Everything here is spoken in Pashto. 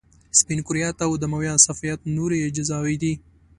سپین کرویات او دمویه صفحات نورې اجزاوې دي.